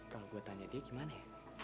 kalau gue tanya dia gimana ya